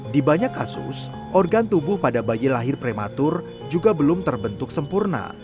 di banyak kasus organ tubuh pada bayi lahir prematur juga belum terbentuk sempurna